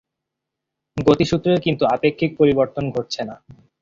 গতিসূত্রের কিন্তু আপেক্ষিক পরিবর্তন ঘটছে না।